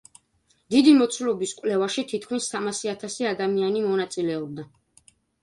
დიდი მოცულობის კვლევაში თითქმის სამასი ათასი ადამიანი მონაწილეობდა.